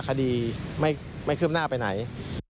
คดีไม่คืบหน้าไปไหน